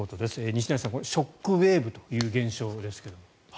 西成さん、ショックウェーブという現象ですけども。